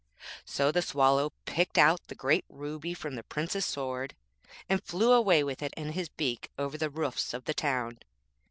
So the Swallow picked out the great ruby from the Prince's sword, and flew away with it in his beak over the roofs of the town.